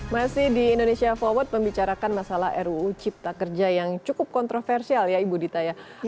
masih di indonesia forward membicarakan masalah ruu cipta kerja yang cukup kontroversial ya ibu dita ya